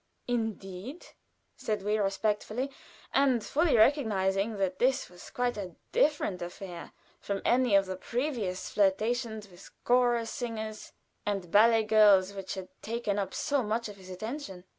"Indeed!" said we, respectfully, and fully recognizing that this was quite a different affair from any of the previous flirtations with chorus singers and ballet girls which had taken up so much of his attention.